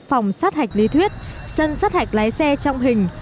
phòng sát hạch lý thuyết sân sát hạch lái xe trong hình